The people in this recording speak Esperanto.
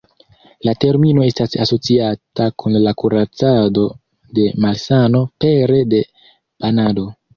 La termino estas asociata kun la kuracado de malsano pere de banado.